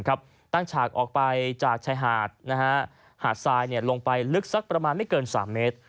ตั้งฉากออกไปจากชายหาดหาดทรายลงไปลึกสักประมาณไม่เกิน๓เมตร